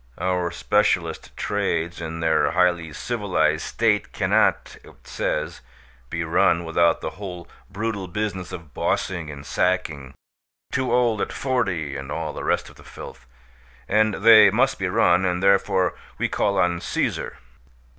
Our specialist trades in their highly civilized state cannot (it says) be run without the whole brutal business of bossing and sacking, "too old at forty" and all the rest of the filth. And they must be run, and therefore we call on Caesar.